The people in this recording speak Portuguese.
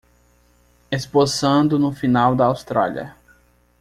Esboçando no final da Austrália